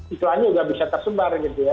iklannya sudah bisa tersebar gitu ya